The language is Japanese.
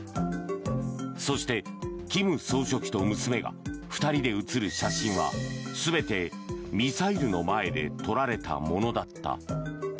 そして金総書記と娘が２人で写る写真は全てミサイルの前で撮られたものだった。